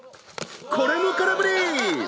これも空振り！